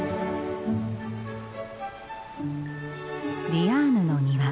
ディアーヌの庭。